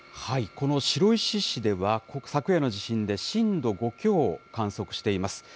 この白石市では、昨夜の地震で震度５強を観測しています。